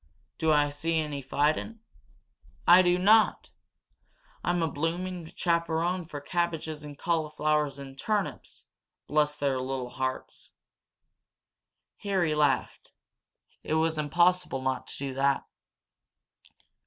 Do I see any fightin'? I do not! I'm a bloomin' chaperone for cabbages and cauliflowers and turnips, bless their little hearts!" Harry laughed. It was impossible not to do that.